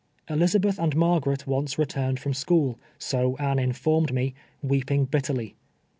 Elizabeth and Margaret once returned from school — so Anne informed me — weeping bitterly.